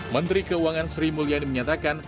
menteri keuangan sri mulyani menyatakan